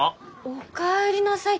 お帰りなさい。